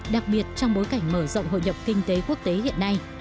đặc biệt trong bối cảnh mở rộng hội nhập kinh tế quốc tế hiện nay